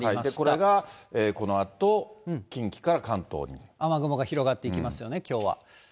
これがこのあと、近畿から関東に雨雲が広がってきますよね、きょうは。